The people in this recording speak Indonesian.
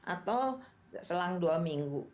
atau selang dua minggu